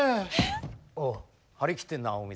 おう張り切ってんな大水。